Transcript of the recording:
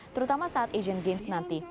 terutama saat asian games nanti